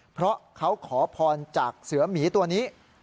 เพราะเขาขอพรจากเสือหมีตัวนี้